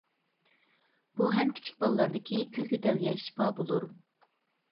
بۇ ھەم كىچىك باللاردىكى كۆك يۆتەلگە شىپا بولۇر.